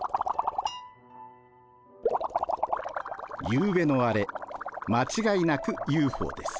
ゆうべのあれ間違いなくＵＦＯです。